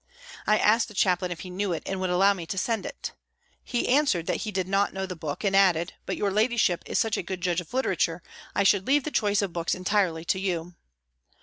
I asked the Chaplain if he knew it and would allow me to send it. He answered that he did not know the book, and added, " But your ladyship is such a good judge of literature, I should leave the choice of books entirely to you."